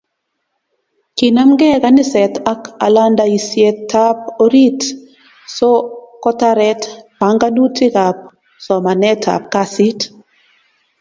Kinamnge kaniset ak alandaisiet ab orit so kotaret panganutik ab somanet ab kasit